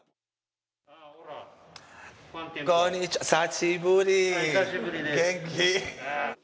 こんにちは、久しぶり、元気？